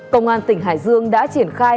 công an tỉnh hải dương đã triển khai